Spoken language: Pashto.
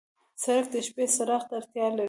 سړک د شپې څراغ ته اړتیا لري.